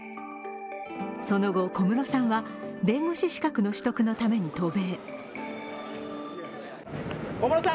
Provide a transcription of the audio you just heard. その後、小室さんは弁護士資格の取得のために渡米。